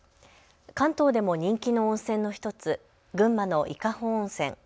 関東でも人気の温泉の１つ、群馬の伊香保温泉。